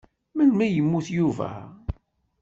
Melmi i yemmut Yuba?